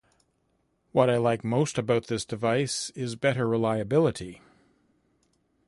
What I like most about this device is better reliability.